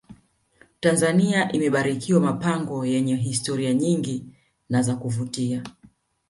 tanzania imebarikiwa mapango yenye historia nyingi na za kuvutia